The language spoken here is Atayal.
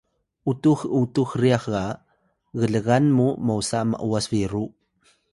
utux utux ryax ga glgan mu mosa m’was biru